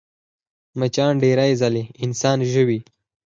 مچان ډېرې ځلې انسان ژوي